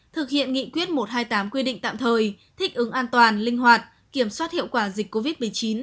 thực hiện nghị quyết một trăm hai mươi tám quy định tạm thời thích ứng an toàn linh hoạt kiểm soát hiệu quả dịch covid một mươi chín